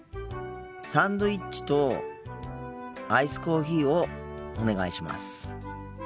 サンドイッチとアイスコーヒーをお願いします。